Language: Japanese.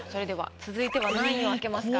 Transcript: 続いては何位を開けますか？